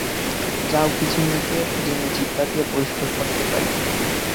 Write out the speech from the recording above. যাও কিছু মেখে এসো যেন জিহ্বা দিয়ে পরিস্কার করতে পারি।